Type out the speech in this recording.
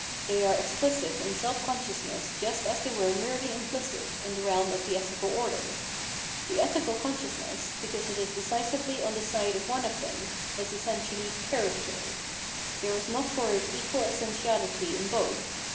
They are explicit in self consciousness just as they were merely implicit in the realm of the ethical order. The ethical consciousness, because it is decisively on the side of one of them, is essentially Chciracter. There is not for it equal essentiality in both.